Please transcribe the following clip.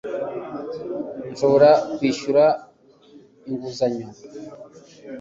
Nshobora kwishyura inguzanyo